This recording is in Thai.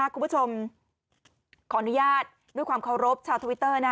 คุณผู้ชมขออนุญาตด้วยความเคารพชาวทวิตเตอร์